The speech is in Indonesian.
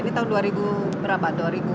ini tahun dua ribu berapa